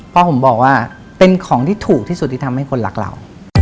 เพราะผมบอกว่าเป็นของที่ถูกที่สุดที่ทำให้คนรักเรา